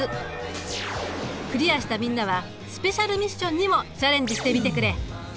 クリアしたみんなはスペシャルミッションにもチャレンジしてみてくれ。